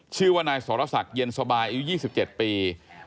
ชื่อว่านายสรษักเย็นสบายอายุ๒๗ปี